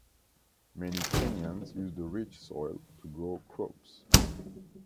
Many Kenyans use the rich soil to grow crops.